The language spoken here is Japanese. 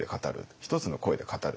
一つの声で語る。